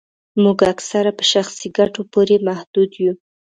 موږ اکثره په شخصي ګټو پوري محدود یو